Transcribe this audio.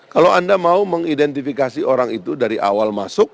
kalau anda mau mengidentifikasi orang itu dari awal masuk